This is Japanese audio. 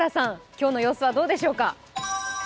今日の様子はどうでしょうか。